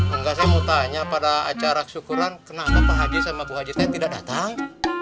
enggak saya mau tanya pada acara syukuran kenapa pak haji sama bu haji saya tidak datang